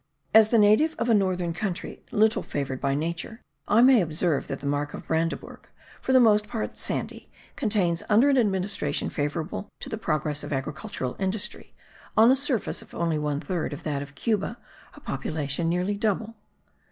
As the native of a northern country, little favoured by nature, I may observe that the Mark of Brandebourg, for the most part sandy, contains, under an administration favourable to the progress of agricultural industry, on a surface only one third of that of Cuba, a population nearly double.